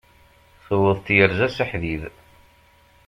Tewweḍ tyerza s aḥdid.